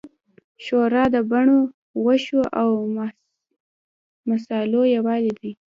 ښوروا د بڼو، غوښو، او مصالحو یووالی دی.